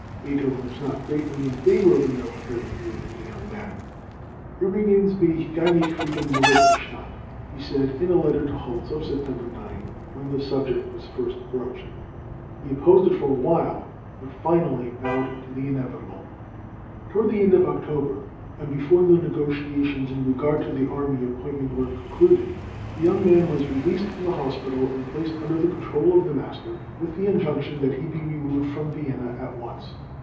Beethoven was not greatly in favor of a military career for the young man. "Übrigens bin ich gar nicht für den Militärstandt," he says in a letter to Holz of September 9, when the subject was first broached. He opposed it for a while, but finally bowed to the inevitable. Toward the end of October, and before the negotiations in regard to the army appointment were concluded, the young man was released from the hospital, and placed under the control of the master, with the injunction that he be removed from Vienna at once.